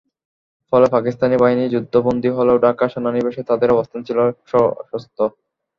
ফলে পাকিস্তানি বাহিনী যুদ্ধবন্দী হলেও ঢাকা সেনানিবাসে তাদের অবস্থান ছিল সশস্ত্র।